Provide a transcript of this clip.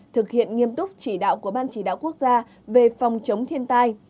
thực hiện nghiêm túc chỉ đạo của ban chỉ đạo quốc gia về phòng chống thiên tai